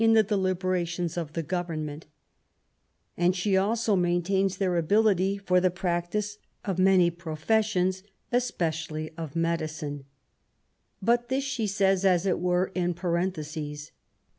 the delibera tions of Government/' And she also maintains their ability for the practice of many professions^ especially of medicine. But this she says, as it were, in paren thesis.